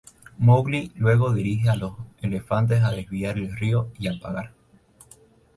Mowgli luego dirige a los elefantes a desviar el río y apagar.